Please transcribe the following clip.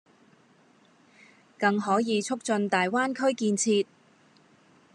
更可以促進大灣區建設